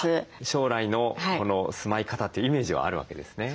将来の住まい方というイメージはあるわけですね。